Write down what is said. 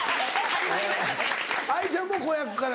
愛ちゃんも子役から。